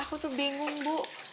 aku tuh bingung bu